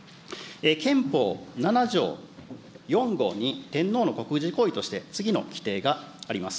憲法７条４号に、天皇の国事行為として、次の規定があります。